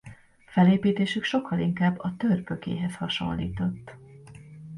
Felépítésük sokkal inkább a törpökéhez hasonlított.